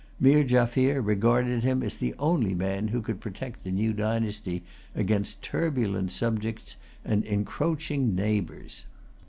Meer Jaffier regarded him as the only man who could protect the new dynasty against turbulent subjects and encroaching neighbours.